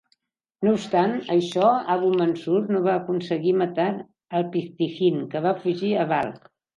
No obstant això, Abu Mansur no va aconseguir matar Alptigin, que va fugir a Balkh.